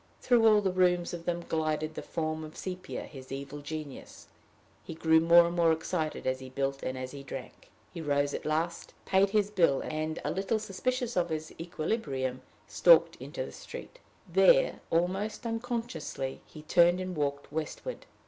Through all the rooms of them glided the form of Sepia, his evil genius. He grew more and more excited as he built, and as he drank. He rose at last, paid his bill, and, a little suspicious of his equilibrium, stalked into the street. There, almost unconsciously, he turned and walked westward.